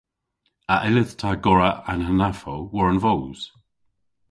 A yllydh ta gorra an hanafow war an voos?